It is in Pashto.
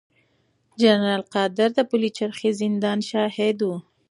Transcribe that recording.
جنرال قادر د پلچرخي زندان شاهد و.